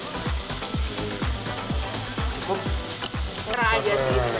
ngerah aja sih sebenarnya